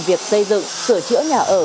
việc xây dựng sửa chữa nhà ở